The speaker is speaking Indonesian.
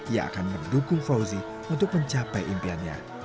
ia akan mendukung fauzi untuk mencapai impiannya